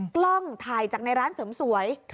กล้องถ่ายจากในร้านเสริมสวย